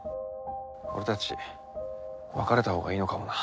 俺たち別れたほうがいいのかもな。